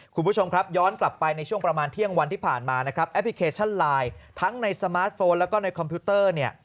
คุณผู้ชมครับย้อนกลับไปในช่วงประมาณเที่ยงวันที่ผ่านมานะครับแอปพลิเคชันไลน์ทั้งในสมาร์ทโฟนแล้วก็ในคอมพิวเตอร์เนี่ย